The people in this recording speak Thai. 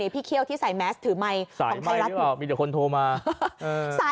พี่เคี่ยวที่ใส่แมสถือไมค์ของไทยรัสใส่ไมค์หรือเปล่ามีเดี๋ยวคนโทรมา